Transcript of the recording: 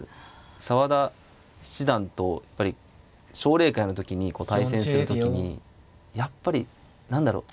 澤田七段とやっぱり奨励会の時に対戦する時にやっぱり何だろう